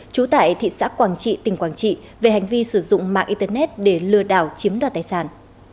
trú tại thị xã quảng trị tỉnh quảng trị về hành vi sử dụng mạng internet để lừa đảo chiếm đoạt tài sản